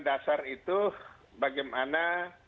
dasar itu bagaimana